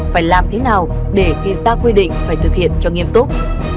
phải làm thế nào để khi ta quy định phải thực hiện cho nghiêm túc